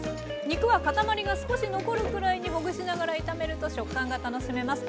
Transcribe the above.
肉は塊が少し残るくらいにほぐしながら炒めると食感が楽しめます。